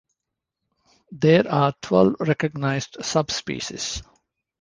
There are twelve recognised subspecies.